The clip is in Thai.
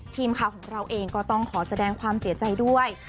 ทีมข่าวของเราเองก็ต้องขอแสดงความเสียใจด้วย